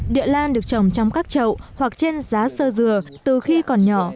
địa lan được trồng trong các trậu hoặc trên giá sơ dừa từ khi còn nhỏ